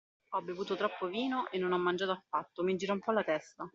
Ho bevuto troppo vino e non ho mangiato affatto, mi gira un po' la testa.